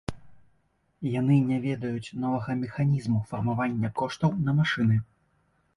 Яны не ведаюць новага механізму фармавання коштаў на машыны.